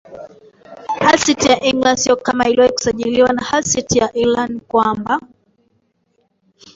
Hull City ya EnglandSio kama aliwahi kusajiliwa na Hull City ila ni kwamba